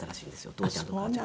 父ちゃんと母ちゃん。